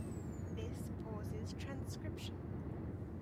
This pauses transcription.